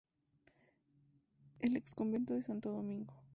El exconvento de Santo Domingo.